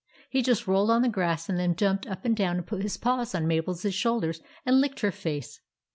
He just rolled on the grass, and then jumped up and down and put his paws on Mabel's shoulders and licked her face.